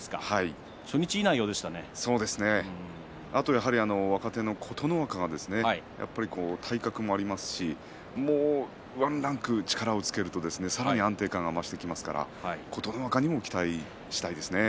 あと若手の琴ノ若は体格もありますしもうワンランク力をつけるとさらに安定感が増してきますから琴ノ若にも期待したいですね。